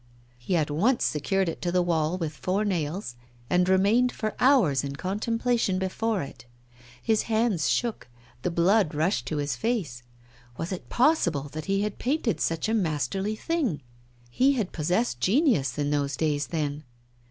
He at once secured it to the wall with four nails, and remained for hours in contemplation before it. His hands shook, the blood rushed to his face. Was it possible that he had painted such a masterly thing? He had possessed genius in those days then.